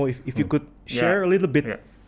jika anda bisa berbagi sedikit